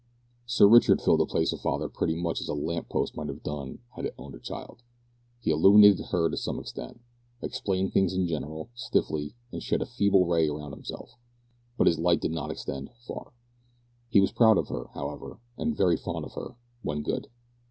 Sir Richard filled the place of father pretty much as a lamp post might have done had it owned a child. He illuminated her to some extent explained things in general, stiffly, and shed a feeble ray around himself; but his light did not extend far. He was proud of her, however, and very fond of her when good.